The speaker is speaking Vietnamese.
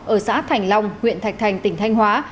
ở xã thành long huyện thạch thành tỉnh thanh hóa